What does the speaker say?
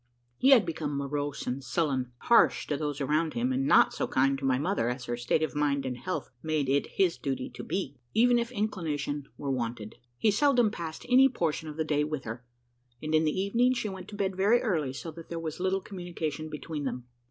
He had become morose and sullen, harsh to those around him, and not so kind to my mother as her state of mind and health made it his duty to be, even if inclination were wanted. He seldom passed any portion of the day with her, and in the evening she went to bed very early so that there was little communication between them.